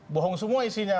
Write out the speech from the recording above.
bohong semua isinya